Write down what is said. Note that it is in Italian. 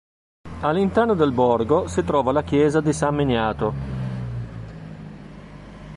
All'interno del borgo si trova la chiesa di San Miniato.